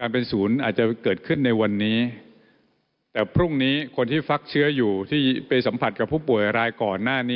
การเป็นศูนย์อาจจะเกิดขึ้นในวันนี้แต่พรุ่งนี้คนที่ฟักเชื้ออยู่ที่ไปสัมผัสกับผู้ป่วยรายก่อนหน้านี้